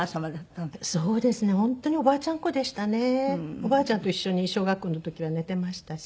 おばあちゃんと一緒に小学校の時は寝てましたし。